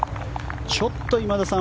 ちょっと今田さん